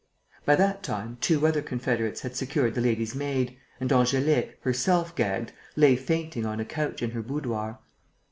By that time, two other confederates had secured the lady's maid; and Angélique, herself gagged, lay fainting on a couch in her boudoir.